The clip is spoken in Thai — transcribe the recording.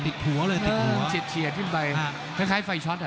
ติดหัวเลยติดหัวเออเออเฉียดเฉียดขึ้นไปคล้ายไฟช็อตอ่ะ